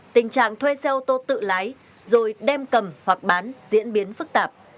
tình trạng thuê xe ô tô tự lái rồi đem cầm hoặc bán diễn biến phức tạp